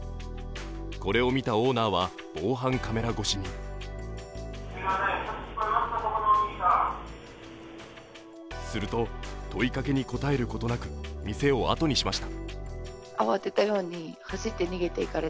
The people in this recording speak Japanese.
これを見たオーナーは防犯カメラ越しにすると、問いかけに答えることなく店を後にしました。